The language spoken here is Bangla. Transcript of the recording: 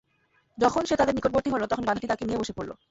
যখন সে তাদের নিকটবর্তী হল, তখন গাধাটি তাকে নিয়ে বসে পড়ল।